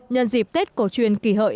nhân dịp tết cổ truyền kỳ hợi